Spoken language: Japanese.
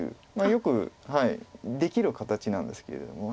よくできる形なんですけれども。